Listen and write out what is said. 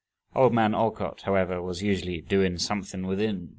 Old Man Alcott, however, was usually "doin' somethin'" within.